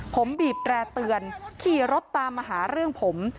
ผมบีบแร่เตือนขี่รถตามมาหาเรื่องผม